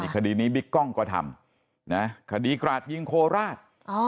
คดีนี้บิ๊กกล้องก็ทำคดีกราดยิงโคราช